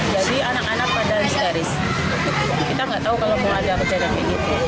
jadi anak anak pada misteris kita nggak tahu kalau mau ada kejadian begini